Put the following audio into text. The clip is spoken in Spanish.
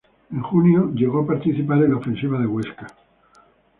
En junio llegó participar en la ofensiva de Huesca.